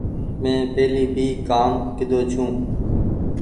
من پهلي ڀي ڪآم ڪيۮو ڇو۔